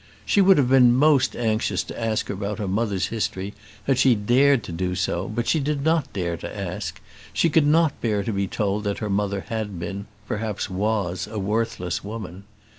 She would have been most anxious to ask about her mother's history had she dared to do so; but she did not dare to ask; she could not bear to be told that her mother had been, perhaps was, a worthless woman.